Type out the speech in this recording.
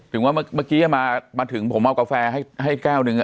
ถึงว่าเมื่อกี้มาถึงผมเอากาแฟให้แก้วหนึ่ง